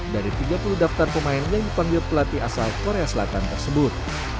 dari tiga puluh daftar pemain yang dipanggil pelatih asal korea selatan tersebut